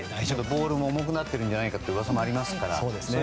ボールも重くなっているんじゃないかという噂もありますから。